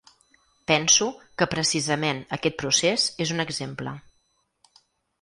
Penso que precisament aquest procés és un exemple.